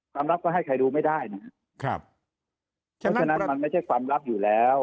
ลับก็ให้ใครดูไม่ได้นะครับเพราะฉะนั้นมันไม่ใช่ความลับอยู่แล้ว